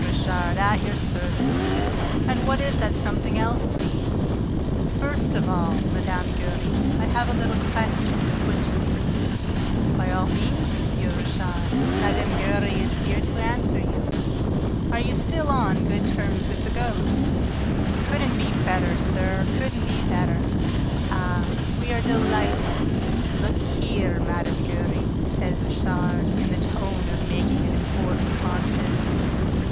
Richard, at your service. And what is the something else, please?" "First of all, Mme. Giry, I have a little question to put to you." "By all means, M. Richard: Mme. Giry is here to answer you." "Are you still on good terms with the ghost?" "Couldn't be better, sir; couldn't be better." "Ah, we are delighted ... Look here, Mme. Giry," said Richard, in the tone of making an important confidence.